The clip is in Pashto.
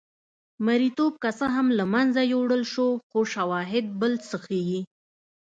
مریتوب که څه هم له منځه یووړل شو خو شواهد بل څه ښيي.